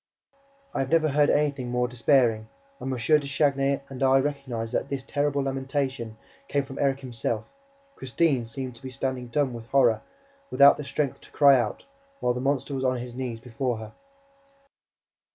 I have never heard anything more despairing; and M. de Chagny and I recognized that this terrible lamentation came from Erik himself. Christine seemed to be standing dumb with horror, without the strength to cry out, while the monster was on his knees before her.